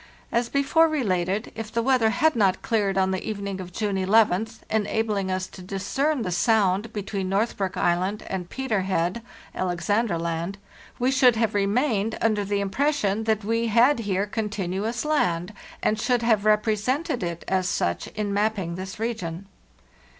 As before related, if the weather had not cleared on the evening of June 11th, enabling us to discern the sound between Northbrook Island and Peter Head (Al exandra Land), we should have remained under the im pression that we had here continuous land, and should have represented it as such in mapping this region.